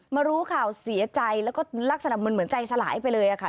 รู้ข่าวเสียใจแล้วก็ลักษณะเหมือนใจสลายไปเลยค่ะ